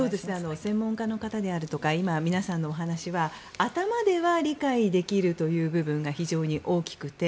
専門家の方であるとか今、皆さんのお話は頭では理解できる部分がすごく大きくて。